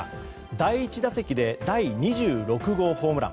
第１打席で第２６号ホームラン。